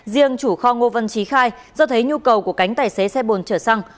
riêng chủ kho ngô văn trí khai do thấy nhu cầu của cánh tài xế xe bồn chở xăng